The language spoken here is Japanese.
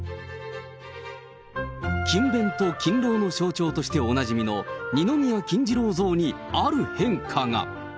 勤勉と勤労の象徴としておなじみの二宮金次郎像にある変化が。